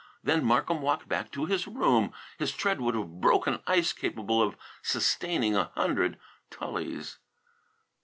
Then Markham walked back to his own room. His tread would have broken ice capable of sustaining a hundred Tullys.